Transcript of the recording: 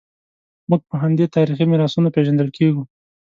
موږ په همدې تاریخي میراثونو پېژندل کېږو.